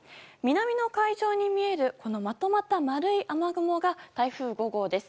南の海上に見えるまとまった丸い雨雲が台風５号です。